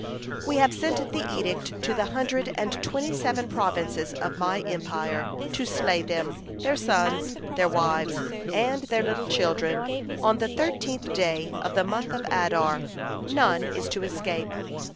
We have sent the edict to the hundred and twenty seven provinces of my empire, to slay them, their sons, their wives, and their little children, on the thirteenth day of the month of Adar none is to escape.